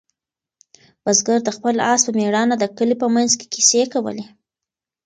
بزګر د خپل آس په مېړانه د کلي په منځ کې کیسې کولې.